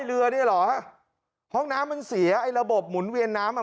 เรือเนี่ยเหรอห้องน้ำมันเสียไอ้ระบบหมุนเวียนน้ำอ่ะ